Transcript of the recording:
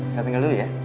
saya tinggal dulu ya